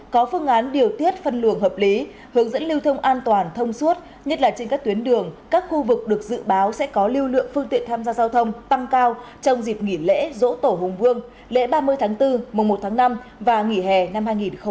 có phương án điều tiết phân luồng hợp lý hướng dẫn lưu thông an toàn thông suốt nhất là trên các tuyến đường các khu vực được dự báo sẽ có lưu lượng phương tiện tham gia giao thông tăng cao trong dịp nghỉ lễ dỗ tổ hùng vương lễ ba mươi tháng bốn mùa một tháng năm và nghỉ hè năm hai nghìn hai mươi bốn